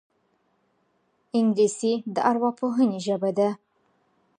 انګلیسي د ارواپوهنې ژبه ده